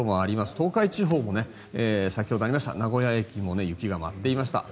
東海地方も先ほどありましたが名古屋駅も雪が舞っていました。